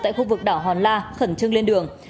tại khu vực đảo hòn la khẩn trương lên đường